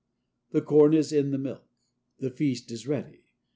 The corn is in the milk; the feast is ready.